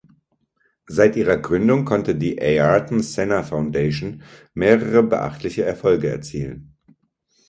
Seit ihrer Gründung konnte die Ayrton Senna Foundation mehrere beachtliche Erfolge erzielen.